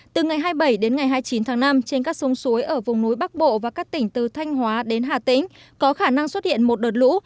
từ ngày hai mươi bảy đến ngày hai mươi chín tháng năm trên các sông suối ở vùng núi bắc bộ và các tỉnh từ thanh hóa đến hà tĩnh có khả năng xuất hiện một đợt lũ